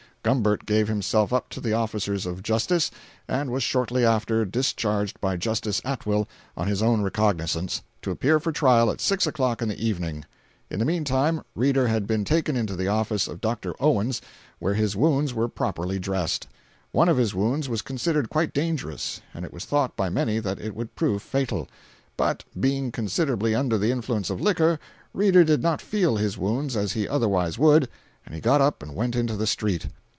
Gumbert gave himself up to the officers of justice, and was shortly after discharged by Justice Atwill, on his own recognizance, to appear for trial at six o'clock in the evening. In the meantime Reeder had been taken into the office of Dr. Owens, where his wounds were properly dressed. One of his wounds was considered quite dangerous, and it was thought by many that it would prove fatal. But being considerably under the influence of liquor, Reeder did not feel his wounds as he otherwise would, and he got up and went into the street.